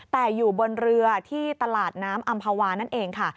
แต่อยู่บนเรือที่ตลาดน้ำอำภาวานั่นเองค่ะ